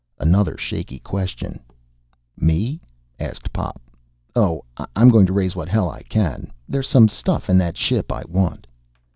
Another shaky question. "Me?" asked Pop. "Oh, I'm going to raise what hell I can. There's some stuff in that ship I want."